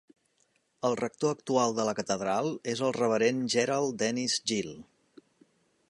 El rector actual de la catedral és el reverend Gerald Dennis Gill.